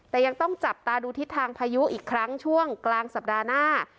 แต่ยังต้องจับตาดูทิศทางพายุอีกครั้งช่วงกลางสัปดาห์หน้า